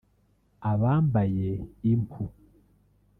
abambaye impu